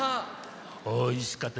おいしかった。